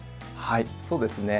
はいそうですね。